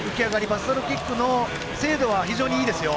バサロキックの精度は非常にいいですよ。